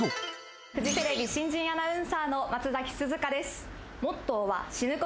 フジテレビ新人アナウンサーの松涼佳です。